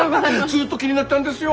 ずっと気になってだんですよ。